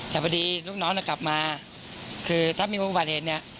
แต่พอดีลูกน้องกลับมาคือถ้ามีประเทศเนี่ย